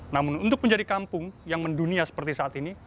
namun untuk menjadi kampung yang mendunia seperti saat ini